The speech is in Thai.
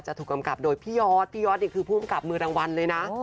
ถูกกำกับโดยพี่ยอดพี่ยอดนี่คือผู้กำกับมือรางวัลเลยนะ